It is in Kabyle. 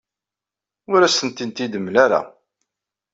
Ur asen-tent-id-temla ara.